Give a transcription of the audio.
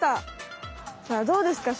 さあどうですか？